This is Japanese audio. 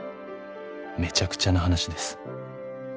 「めちゃくちゃな話です」